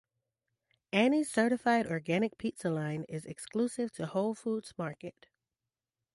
Annie's certified organic pizza line is exclusive to Whole Foods Market.